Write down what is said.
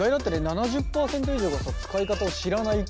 ７０％以上がさ使い方を知らないっていう。